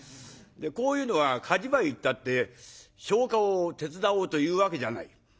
こういうのが火事場へ行ったって消火を手伝おうというわけじゃない。